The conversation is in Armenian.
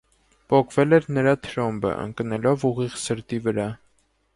Պոկվել էր նրա թրոմբը՝ ընկնելով ուղիղ սրտի վրա։